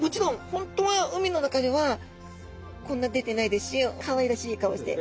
本当は海の中ではこんな出てないですしかわいらしい顔をして。